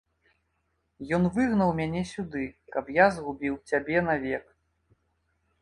Ён выгнаў мяне сюды, каб я згубіў цябе навек.